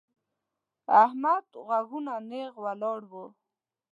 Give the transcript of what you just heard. احمد غوږونه نېغ ولاړ وو.